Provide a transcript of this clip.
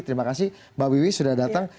terima kasih mbak wiwi sudah datang